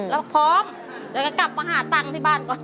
แล้วพร้อมเดี๋ยวก็กลับมาหาตังค์ที่บ้านก่อน